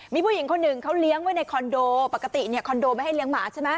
มีผู้หญิงคนหนึ่งเขาเลี้ยงไว้ในคอนโดปกติเนี่ยคอนโดไม่ให้เลี้ยงหมาใช่ไหม